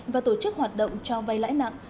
và tổ chức hoạt động cho vay lãi nặng